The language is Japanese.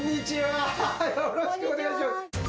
よろしくお願いします。